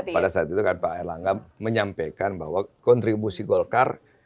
pada saat itu kan pak erlangga menyampaikan bahwa kontribusi golkar